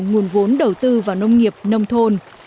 nguồn vốn đầu tư vào nông nghiệp nông thôn